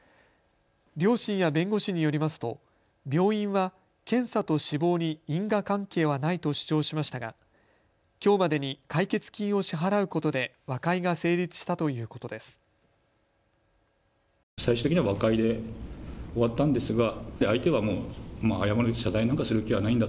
両親や弁護士によりますと病院は検査と死亡に因果関係はないと主張しましたがきょうまでに解決金を支払うことで和解が成立したということです。